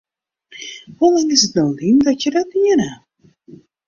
Hoe lang is it no lyn dat je dat dien ha?